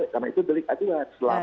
karena itu delik aduan